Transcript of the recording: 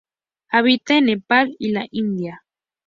Habita en Nepal y la India.